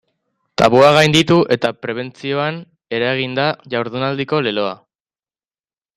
Tabua gainditu eta prebentzioan eragin da jardunaldiko leloa.